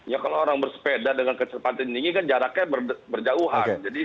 ya kalau orang bersepeda dengan kecepatan tinggi kan jaraknya berjauhan